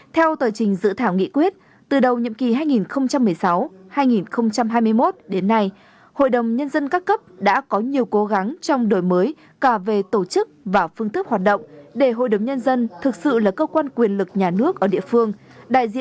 theo tờ trình dự thảo nghị quyết từ đầu nhiệm kỳ hai nghìn một mươi sáu hai nghìn hai mươi một đến nay hội đồng nhân dân các cấp đã có nhiều cố gắng trong đổi mới cả về tổ chức và phương thức hoạt động để hội đồng nhân dân thực sự là cơ quan quyền lực nhà nước ở địa phương